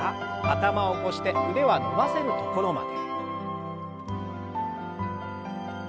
頭を起こして腕は伸ばせるところまで。